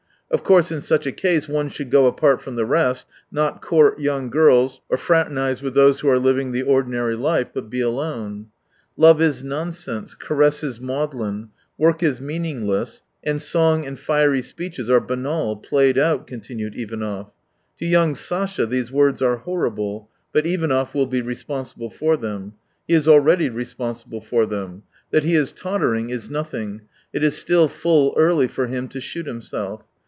Of course in such a case one should go apart from the rest, not court young gifis or fraternise with those who are living the ordinary life, but be alone. "Love is nonsense, caresses maudlin, work is meaning less, and song and fiery speeches are banal, played out," continued Ivanov. To young Sasha these words are horrible, — but Ivanov will be responsible for them. He is already responsible for them. That he is tottering is nothing : it is still full early for him to shoot himself.